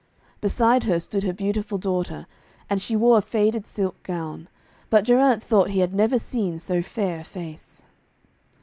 Beside her stood her beautiful daughter, and she wore a faded silk gown, but Geraint thought he had never seen so fair a face.